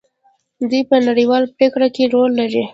دوی په نړیوالو پریکړو کې رول لري.